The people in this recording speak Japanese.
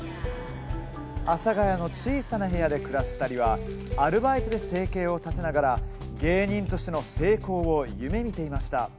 阿佐ヶ谷の小さな部屋で暮らす２人はアルバイトで生計を立てながら芸人としての成功を夢みていました。